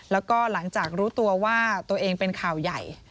แล้วก็หลังจากรู้ตัวว่าตัวเองเป็นข่าวใหญ่